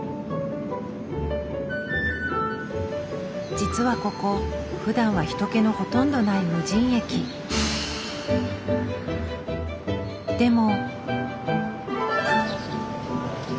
実はここふだんは人けのほとんどないでも。